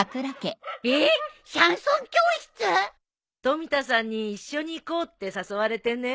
富田さんに一緒に行こうって誘われてね。